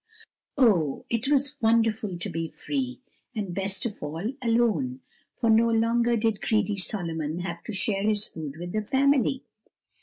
Oh, it was wonderful to be free, and best of all, alone, for no longer did greedy Solomon have to share his food with the family.